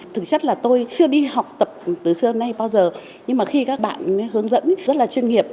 thực chất là tôi chưa đi học tập từ xưa nay bao giờ nhưng mà khi các bạn hướng dẫn rất là chuyên nghiệp